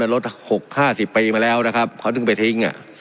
มันลดหกห้าสิบปีมาแล้วนะครับเขาดึงไปทิ้งอ่ะ